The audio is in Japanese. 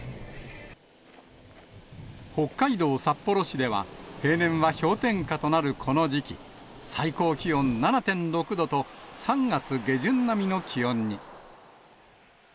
北海道札幌市では、平年は氷点下となるこの時期、最高気温７．６度と、３月下旬並みの気温に。